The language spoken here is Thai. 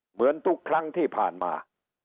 เหมือนทุกครั้งที่ผ่านมา